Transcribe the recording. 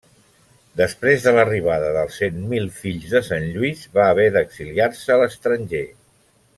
Després de l'arribada dels Cent Mil Fills de Sant Lluís va haver d'exiliar-se a l'estranger.